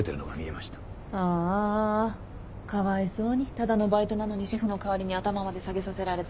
ただのバイトなのにシェフの代わりに頭まで下げさせられて。